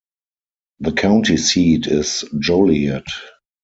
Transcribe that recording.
The county seat is Joliet.